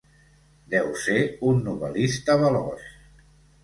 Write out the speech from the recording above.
Deu ser un novel·lista veloç.